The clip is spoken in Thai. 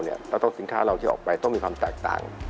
แล้วก็สินค้าเราที่ออกไปต้องมีความแตกต่าง